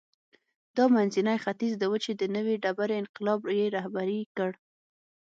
دا منځنی ختیځ و چې د نوې ډبرې انقلاب یې رهبري کړ.